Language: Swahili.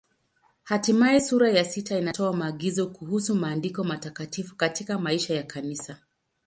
Hatimaye sura ya sita inatoa maagizo kuhusu Maandiko Matakatifu katika maisha ya Kanisa.